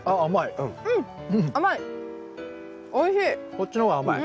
こっちの方が甘い。